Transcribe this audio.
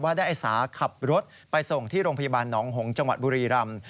ได้อาสาขับรถไปส่งที่โรงพยาบาลหนองหงษ์จังหวัดบุรีรำ